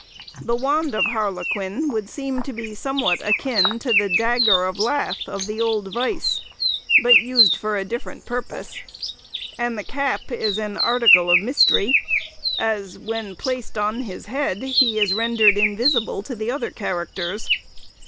The wand of harlequin would seem to be somewhat akin to the dagger of lath of the old vice, but used for a different purpose, and the cap is an article of mystery, as, when placed on his head, he is rendered invisible to the other characters.